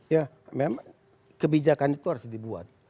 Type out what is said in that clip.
ya memang kebijakan itu harus dibuat